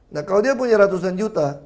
nah kalau dia punya ratusan juta